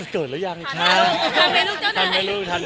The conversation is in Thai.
เกิดแล้วยังอีกครั้ง